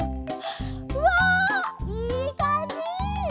うわいいかんじ！